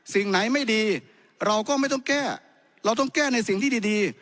สิ่งไหนไม่ดีเราก็ไม่ต้องแก้เราต้องแก้ในสิ่งที่ดี